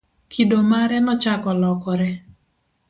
kido mare nochako lokore